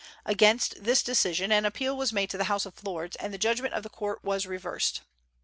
Against this decision an appeal was made to the House of Lords, and the judgment of the court was reversed.